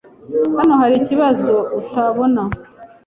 Hano hari ikibazo utabona.